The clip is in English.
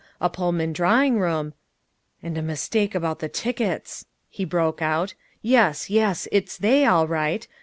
A Pullman drawing room " "And a mistake about the tickets," he broke out. "Yes, yes, it's they all right.